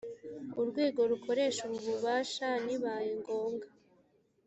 urwego rukoresha ubu bubasha nibaye ngombwa